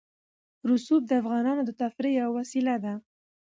رسوب د افغانانو د تفریح یوه وسیله ده.